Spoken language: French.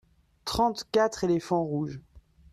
trente quatre éléphants rouges.